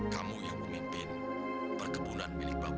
kamu yang memimpin perkebunan milik bapak